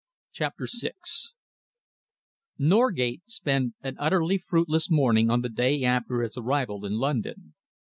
CHAPTER VI Norgate spent an utterly fruitless morning on the day after his arrival in London.